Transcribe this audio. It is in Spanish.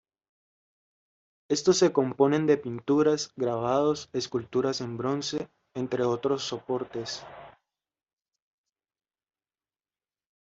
Estos se componen de pinturas, grabados, esculturas en bronce, entre otros soportes.